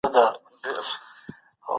سبا به قاضي په محکمه کي د انصاف پرېکړه کوي.